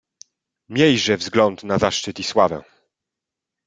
"Miejże wzgląd na zaszczyt i sławę!"